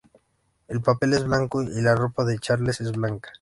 El papel es blanco, y la ropa de Charles es blanca".